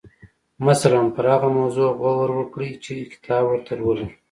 مثلاً پر هغه موضوع غور وکړئ چې کتاب ورته لولئ.